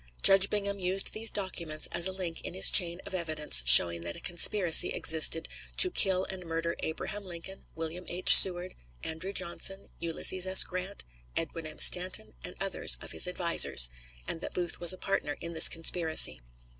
Judge Bingham used these documents as a link in his chain of evidence showing that a conspiracy existed "to kill and murder Abraham Lincoln, William H. Seward, Andrew Johnson, Ulysses S. Grant, Edwin M. Stanton, and others of his advisers," and that Booth was a partner in this conspiracy.